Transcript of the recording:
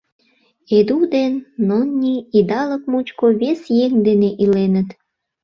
Эду ден Нонни идалык мучко вес еҥ дене иленыт.